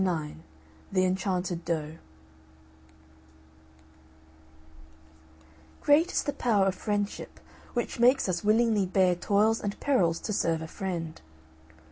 IX THE ENCHANTED DOE Great is the power of friendship, which makes us willingly bear toils and perils to serve a friend.